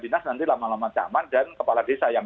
nanti lama lama caman dan kepala desa yang